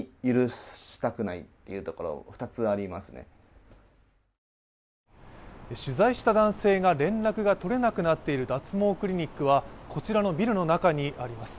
更に取材した男性が連絡が取れなくなっている脱毛クリニックは、こちらのビルの中にあります。